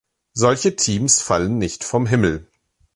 Solche Teams fallen nicht vom Himmel.